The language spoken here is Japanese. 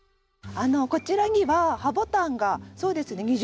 こちらにはハボタンがそうですね